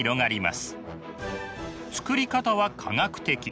作り方は科学的。